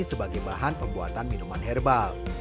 sebagai bahan pembuatan minuman herbal